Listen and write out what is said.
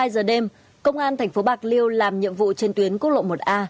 một mươi hai giờ đêm công an tp bạc liêu làm nhiệm vụ trên tuyến quốc lộ một a